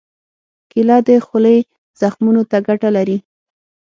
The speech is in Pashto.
کېله د خولې زخمونو ته ګټه لري.